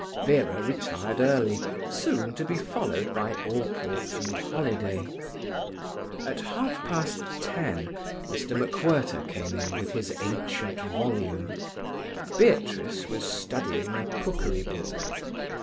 Vera retired early, soon to be followed by Allport and Holiday. At half past ten Mr. MacWhirter came in with his ancient volume. Beatrice was studying a cookery book.